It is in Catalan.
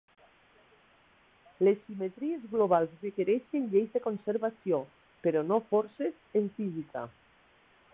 Les simetries globals requereixen lleis de conservació, però no forces, en física.